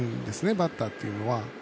バッターっていうのは。